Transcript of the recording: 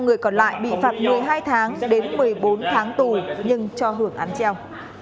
năm người còn lại bị phạt một mươi hai tháng đến một mươi bốn tháng tù nhưng cho hưởng án treo